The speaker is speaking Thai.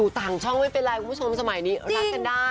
ต่างช่องไม่เป็นไรคุณผู้ชมสมัยนี้รักกันได้